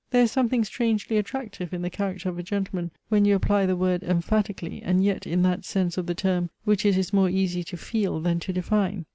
There is something strangely attractive in the character of a gentleman when you apply the word emphatically, and yet in that sense of the term which it is more easy to feel than to define.